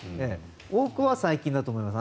多くは細菌だと思います。